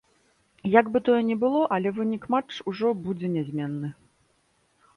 Як бы тое ні было, але вынік матч ужо будзе нязменны.